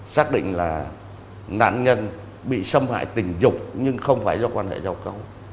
xác định là nạn nhân bị xâm hại tình dục nhưng không phải do quan hệ giao cấu